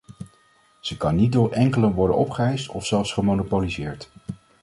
Ze kan niet door enkelen worden opgeëist of zelfs gemonopoliseerd.